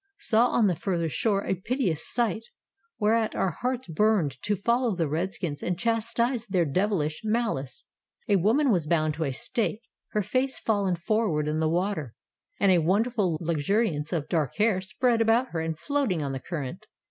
Saw on the further shore a piteous sight, whereat our hearts burned to follow the redskins and chastise their devilish malice. A woman was bound to a stake, her face fallen forward in the water, and a wonderful luxuriance of dark hair spread about her and floating on the current.